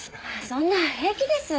そんな平気です。